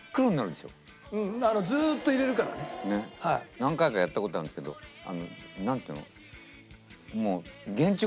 何回かやった事あるんですけどあのなんていうの。